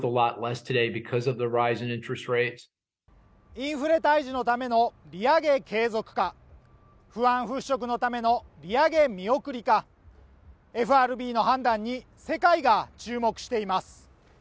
インフレ退治のための利上げ継続か不安払拭のための利上げ見送りかＦＲＢの判断に世界が注目しています。